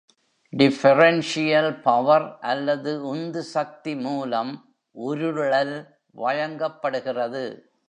Differential power அல்லது உந்துசக்தி மூலம் உருளல் வழங்கப்படுகிறது.